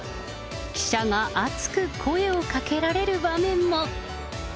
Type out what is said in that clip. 記者が熱く声をかけられる場面も。